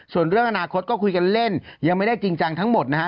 ส่วนเรื่องอนาคตก็คุยกันเล่นยังไม่ได้จริงจังทั้งหมดนะฮะ